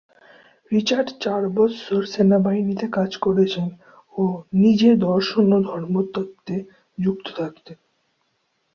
Richard চার বৎসর সেনাবাহিনীতে কাজ করেছেন ও নিজে দর্শন ও ধর্মতত্ত্বে যুক্ত থাকতেন।